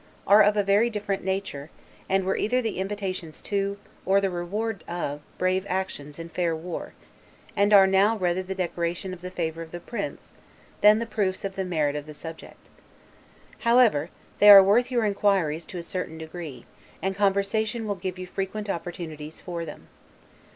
are of a very different nature and were either the invitations to, or the rewards of; brave actions in fair war; and are now rather the decorations of the favor of the prince, than the proofs of the merit of the subject. However, they are worth your inquiries to a certain degree, and conversation will give you frequent opportunities for them.